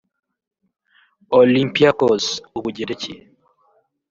Olympiacos(u Bugereki)